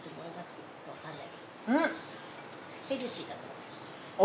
ヘルシーだから。